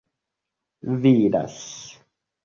vidas